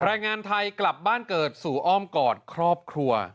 แรงงานไทยกลับบ้านเกิดสู่อ้อมกอดครอบครัว